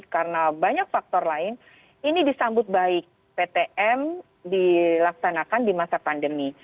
karena banyak faktor lain ini disambut baik ptm dilaksanakan di masa pandemi